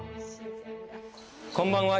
こんばんは。